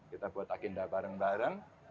kita buat agenda bareng bareng